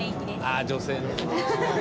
ああ女性の。